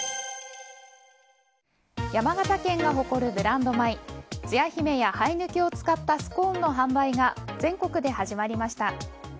山形県が誇るブランド米つや姫や、はえぬきを使ったスコーンの販売が全国で始まりました。